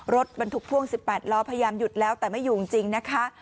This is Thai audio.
รถบรรทุกพ่วง๑๘ล้อพยายามหยุดแล้วแต่ไม่อยู่จริงนะคะ